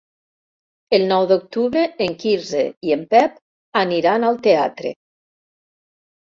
El nou d'octubre en Quirze i en Pep aniran al teatre.